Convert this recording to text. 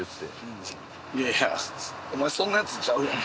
いやいやお前そんなヤツちゃうやん。